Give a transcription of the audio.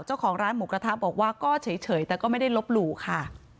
เจ้าของร้านหมูกระทะบอกว่าก็เฉยแต่ก็ไม่ได้ลบหลู่ค่ะ